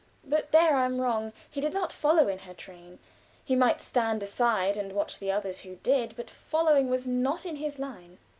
But there I am wrong. He did not follow in her train; he might stand aside and watch the others who did; but following was not in his line.